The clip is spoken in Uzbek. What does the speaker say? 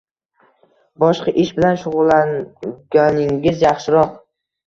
boshqa ish bilan shug’ullanganingiz yaxshiroq